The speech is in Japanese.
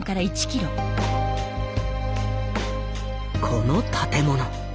この建物。